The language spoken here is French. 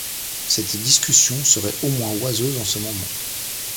Cette discussion serait au moins oiseuse en ce moment.